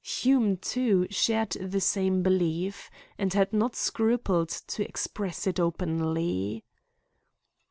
Hume, too, shared the same belief, and had not scrupled to express it openly.